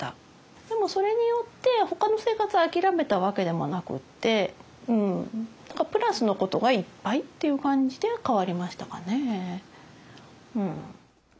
でもそれによってほかの生活を諦めたわけでもなくってうんプラスのことがいっぱいっていう感じで変わりましたかね。